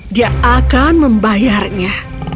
dia akan membayarnya